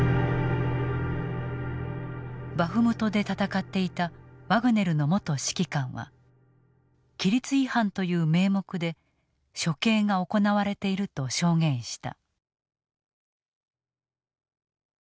バフムトで戦っていたワグネルの元指揮官は規律違反という名目で処刑が行われていると証言した。